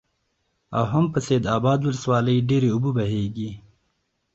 او هم په سيدآباد ولسوالۍ ډېرې اوبه بهيږي،